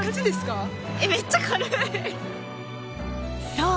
そう。